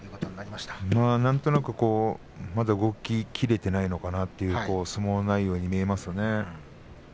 まあ何となくまだ動き切れていないかなという相撲内容に見えますね。